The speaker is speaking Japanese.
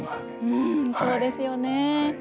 うんそうですよね。